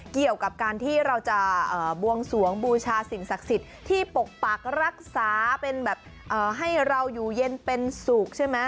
เกี่ยวกับการที่เราจะบวงสวงบูชาสิ่งศักดิ์สิทธิ์ที่ปกปักรักษาเป็นแบบให้เราอยู่เย็นเป็นสุขใช่ไหม